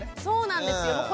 そうなんですよ。